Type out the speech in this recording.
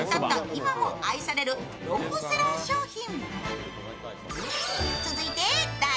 今も愛されるロングセラー商品。